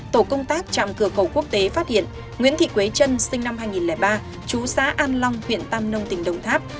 tổ công tác trạm cửa khẩu quốc tế phát hiện nguyễn thị quế trân sinh năm hai nghìn ba chú xã an long huyện tam nông tỉnh đồng tháp